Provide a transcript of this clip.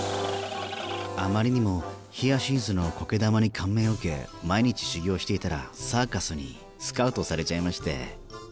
あまりにもヒアシンスの苔玉に感銘を受け毎日修業していたらサーカスにスカウトされちゃいまして。